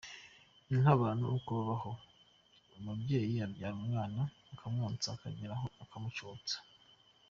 Ni nk’abantu uko babaho, umubyeyi abyara umwana akamwonsa, akagera aho akamucutsa.